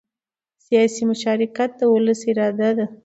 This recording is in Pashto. سیاسي مشارکت د ولس اراده ده